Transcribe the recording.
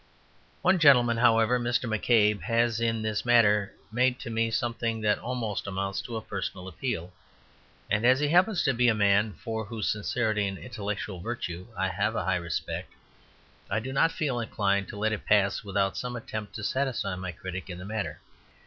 One gentleman, however, Mr. McCabe, has in this matter made to me something that almost amounts to a personal appeal; and as he happens to be a man for whose sincerity and intellectual virtue I have a high respect, I do not feel inclined to let it pass without some attempt to satisfy my critic in the matter.